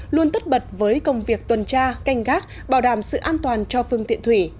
luôn tất bật với công việc tuần tra canh gác bảo đảm sự an toàn cho phương tiện thủy